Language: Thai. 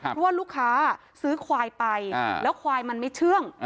เพราะว่าลูกค้าซื้อควายไปแล้วควายมันไม่เชื่อง